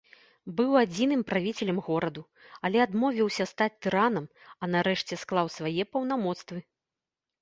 Быў адзіным правіцелем гораду, але адмовіўся стаць тыранам, а нарэшце склаў свае паўнамоцтвы.